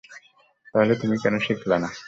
তাহলে তুমি কেন শিখলেন না?